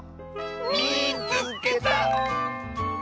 「みいつけた！」。